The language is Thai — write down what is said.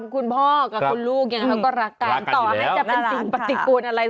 คุณพ่อกับคุณลูกยังไงเขาก็รักกันต่อให้จะเป็นสิ่งปฏิกูลอะไร